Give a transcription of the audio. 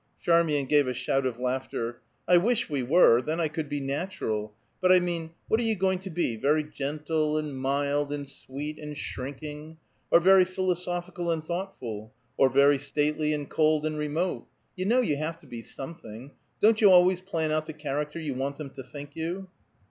Charmian gave a shout of laughter. "I wish we were. Then I could be natural. But I mean, what are you going to be: very gentle and mild and sweet and shrinking; or very philosophical and thoughtful; or very stately and cold and remote? You know you have to be something. Don't you always plan out the character you want them to think you?"